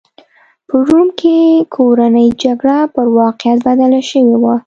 په روم کې کورنۍ جګړه پر واقعیت بدله شوې وه.